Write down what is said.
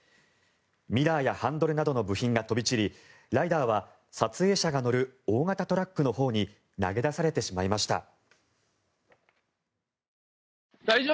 ミラーやハンドルなどの部品が飛び散りライダーは撮影者が乗る大型トラックのほうに投げ出されてしまいました。